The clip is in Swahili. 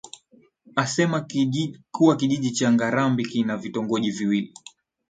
Anasema kuwa Kijiji cha Ngarambi kina vitongoji viwili